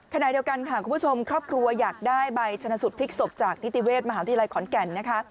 ขณะเดียวกันค่ะคุณผู้ชมครอบครัวอยากได้ใบชนะสูตรพลิกศพจากนิติเวศมหาวิทยาลัยขอนแก่นนะคะ